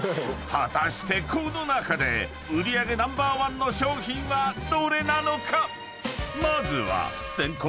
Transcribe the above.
［果たしてこの中で売り上げナンバーワンの商品はどれなのか⁉］